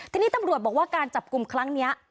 ทีนี้ตำรวจบอกว่าการจับกลุ่มครั้งนี้